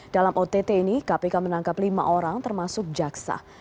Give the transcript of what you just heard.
dalam ott ini kpk menangkap lima orang termasuk jaksa